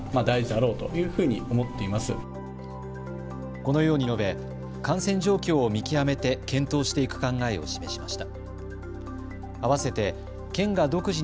このように述べ、感染状況を見極めて検討していく考えを示しました。